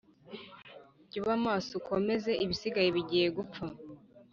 Jya uba maso ukomeze ibisigaye bigiye gupfa,